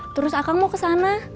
terus akang mau ke sana